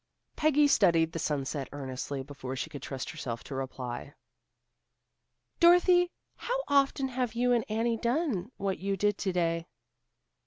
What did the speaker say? Peggy studied the sunset earnestly before she could trust herself to reply. "Dorothy, how often have you and Annie done what you did to day?"